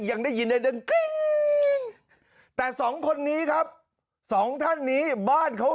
ยังได้ยินแต่สองคนนี้ครับสองท่านนี้บ้านเขา